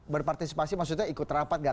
berpartisipasi maksudnya ikut rapat gak